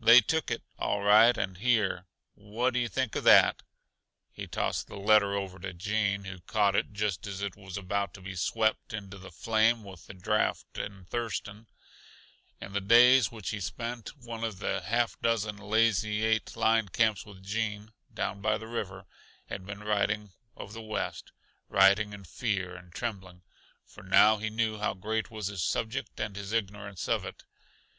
They took it, all right, and here, what do you think of that?" He tossed the letter over to Gene, who caught it just as it was about to be swept into the flame with the draught in Thurston, in the days which he spent one of the half dozen Lazy Eight line camps with Gene, down by the river, had been writing of the West writing in fear and trembling, for now he knew how great was his subject and his ignorance of it.